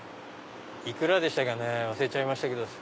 幾らでしたかね忘れちゃいましたけど。